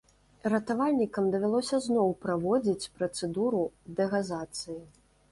Ратавальнікам давялося зноў праводзіць працэдуру дэгазацыі.